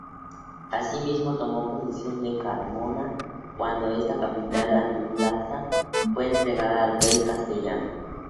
Asimismo, tomó posesión de Carmona cuando esta capital andaluza fue entregada al rey castellano.